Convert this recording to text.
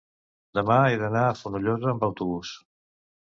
demà he d'anar a Fonollosa amb autobús.